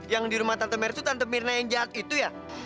yang di rumah tante mercu tante mirna yang jahat itu ya